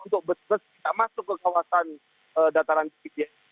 untuk besok kita masuk ke kawasan dataran tiket